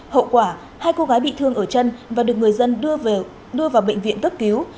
hậu quả hai cô gái bị thương ở chân và được người dân đưa vào bệnh viện cấp cứu